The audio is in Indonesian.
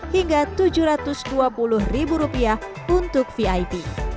hingga rp tujuh ratus dua puluh untuk vip